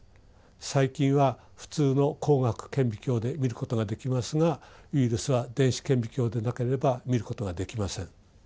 細菌は普通の光学顕微鏡で見ることができますがウイルスは電子顕微鏡でなければ見ることができません。